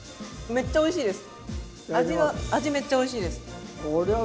めっちゃおいしいです。